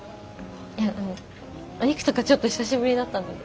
いやあのお肉とかちょっと久しぶりだったので。